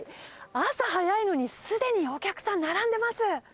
朝早いのに、すでにお客さん、並んでます。